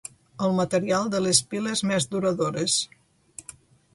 El material de les piles més duradores.